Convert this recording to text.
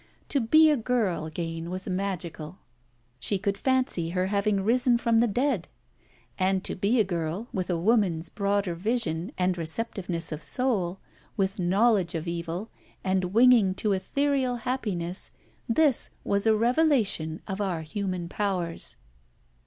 To be a girl again was magical. She could fancy her having risen from the dead. And to be a girl, with a woman's broader vision and receptiveness of soul, with knowledge of evil, and winging to ethereal happiness, this was a revelation of our human powers.